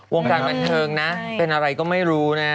วงการบันเทิงนะเป็นอะไรก็ไม่รู้นะ